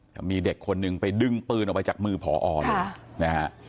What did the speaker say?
ก็มีเด็กคนหนึ่งไปดึงปืนออกไปจากมือผอเลยนะฮะ